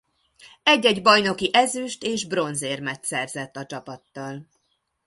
Egy-egy bajnoki ezüst- és bronzérmet szerzett a csapattal.